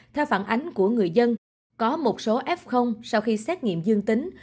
theo phản ánh của người dân có một số f sau khi xét nghiệm dương tính